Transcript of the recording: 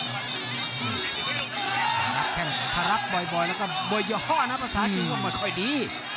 พระรักษ์บ่อยแล้วก็บ่อยย่อนะภาษาจริงมันค่อยดี